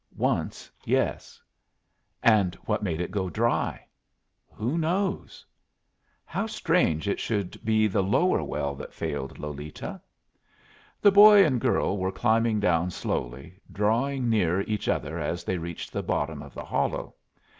"Once, yes." "And what made it go dry?" "Who knows?" "How strange it should be the lower well that failed, Lolita!" The boy and girl were climbing down slowly, drawing near each other as they reached the bottom of the hollow.